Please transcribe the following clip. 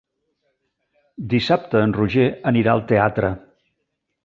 Dissabte en Roger irà al teatre.